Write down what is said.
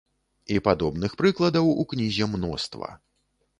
І падобных прыкладаў ў кнізе мноства.